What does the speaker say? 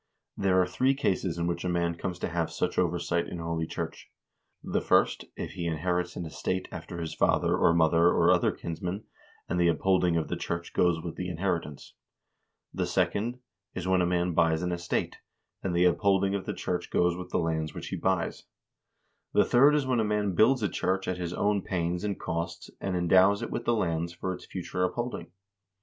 There are three cases in which a man comes to have such oversight in holy church — the first, if he inherits an estate after his father, or mother, or other kinsmen, and the upholding of the church goes with the inheritance; the second is when a man buys an estate, and the upholding of the church goes with the lands which he buys; the third is when a man builds a church at his own pains and cost and endows it with lands for its future upholding.